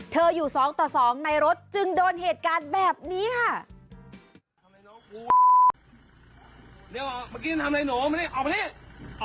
อยู่๒ต่อ๒ในรถจึงโดนเหตุการณ์แบบนี้ค่ะ